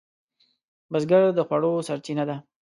بزګر د خوړو سرچینه ده